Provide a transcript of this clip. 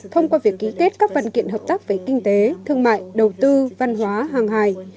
thông qua việc ký kết các văn kiện hợp tác về kinh tế thương mại đầu tư văn hóa hàng hài